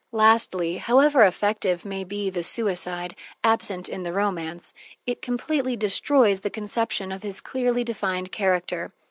Lastly, however effective may be the suicide, absent in the romance, it completely destroys the conception of his clearly defined character.